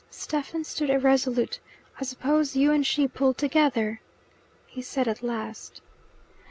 Stephen stood irresolute. "I suppose you and she pulled together?" He said at last.